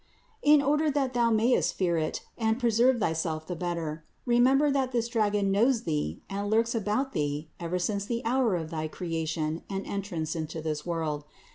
334. In order that thou mayest fear it and preserve thyself the better, remember that this dragon knows thee and lurks about thee ever since the hour of thy creation and entrance into this world.